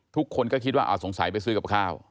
ทุกคนก็คิดว่าเอาสงสัยไปซื้อกับข้าว